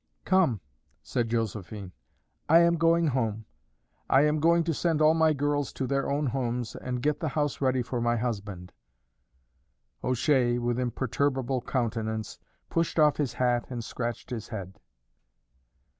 "Come," said Josephine; "I am going home. I am going to send all my girls to their own homes and get the house ready for my husband." O'Shea, with imperturbable countenance, pushed off his hat and scratched his head.